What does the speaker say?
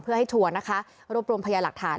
เพื่อให้ทัวร์นะคะรวบรวมพยาหลักฐาน